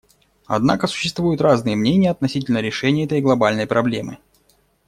Однако существуют разные мнения относительно решения этой глобальной проблемы.